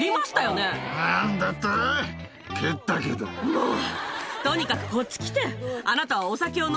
もう！